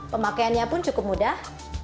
pemakaiannya pun cukup mudah